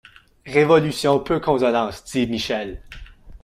Révolution peu consolante, dit Michel.